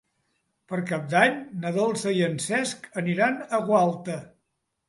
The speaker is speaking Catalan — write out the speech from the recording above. Per Cap d'Any na Dolça i en Cesc aniran a Gualta.